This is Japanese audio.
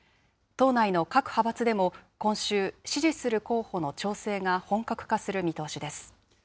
党内の各派閥でも今週、支持する候補の調整が本格化する見通しです。